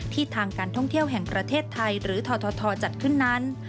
ทางการท่องเที่ยวแห่งประเทศไทยหรือททจัดขึ้นนั้น